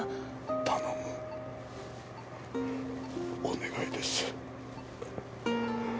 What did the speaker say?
頼むお願いです。